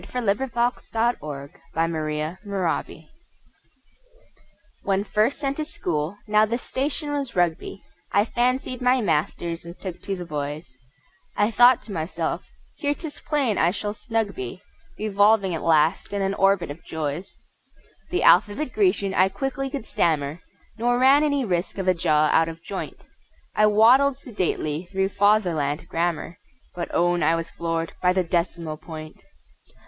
Norman Rowland Gale The Decimal Point WHEN first sent to School (now the Station was Rugby) I fancied my masters and took to the boys; I thought to myself here 'tis plain I shall snug be Revolving at last in an orbit of joys: The Alphabet Grecian I quickly could stammer, Nor ran any risk of a jaw out of joint; I waddled sedately through Fatherland Grammar, But own I was floored by the Decimal Point!